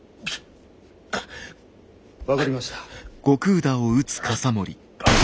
分かりました。